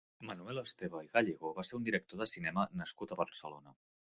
Manuel Esteba i Gallego va ser un director de cinema nascut a Barcelona.